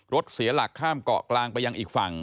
เสียหลักข้ามเกาะกลางไปยังอีกฝั่ง